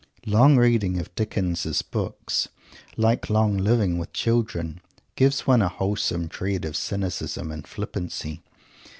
Long reading of Dickens' books, like long living with children, gives one a wholesome dread of cynicism and flippancy.